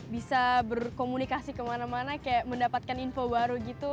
bisa berkomunikasi kemana mana kayak mendapatkan info baru gitu